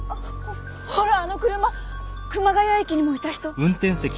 ほらあの車熊谷駅にもいた人。